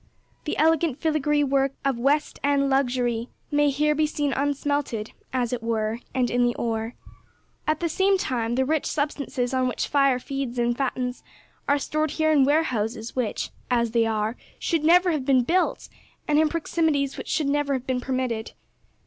The elegant filigree work of West End luxury may here be seen unsmelted, as it were, and in the ore. At the same time the rich substances on which fire feeds and fattens are stored here in warehouses which (as they are) should never have been built, and in proximities which should never have been permitted.